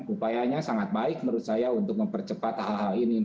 upayanya sangat baik menurut saya untuk mempercepat hal hal ini